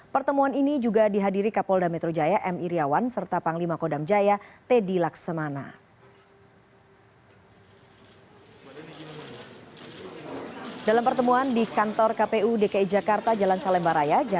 pertemuan ini juga dihadiri kapolda metro jaya m iryawan serta panglima kodam jaya teddy laksamana